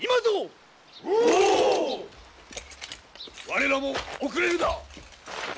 我らも遅れるな！